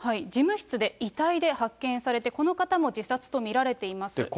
事務室で遺体で発見されて、この方も自殺と見られています。